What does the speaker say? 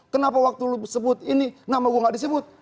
kenapa waktu lu sebut ini nama gue gak disebut